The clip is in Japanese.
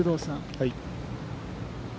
はい。